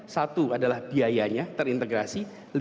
satu adalah biayanya terintegrasi